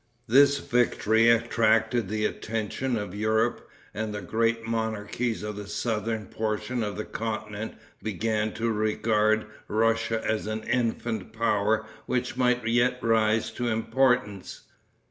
This victory attracted the attention of Europe, and the great monarchies of the southern portion of the continent began to regard Russia as an infant power which might yet rise to importance.